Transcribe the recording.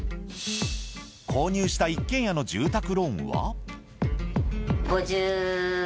購入した一軒家の住宅ローンは。